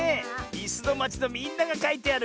「いすのまち」のみんながかいてある！